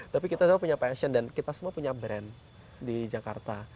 tapi kita semua punya passion dan kita semua punya brand di jakarta